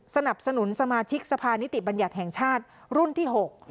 สนับสนุนสมาชิกสภานิติบัญญัติแห่งชาติรุ่นที่๖